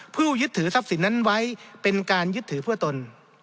ยึดถือทรัพย์สินนั้นไว้เป็นการยึดถือเพื่อตน